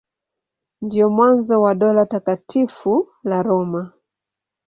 Ndio mwanzo wa Dola Takatifu la Roma.